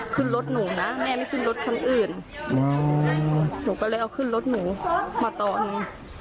ขึ้นรถหนูนะแม่ไม่ขึ้นรถคันอื่นหนูก็เลยเอาขึ้นรถหนูมาตอน